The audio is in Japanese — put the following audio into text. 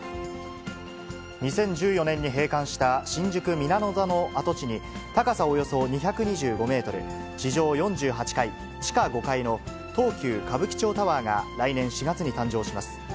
２０１４年に閉館した、新宿ミラノ座の跡地に、高さおよそ２２５メートル、地上４８階、地下５階の東急歌舞伎町タワーが来年４月に誕生します。